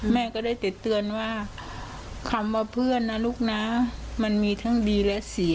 แม่ก็ได้ติดเตือนว่าคำว่าเพื่อนนะลูกนะมันมีทั้งดีและเสีย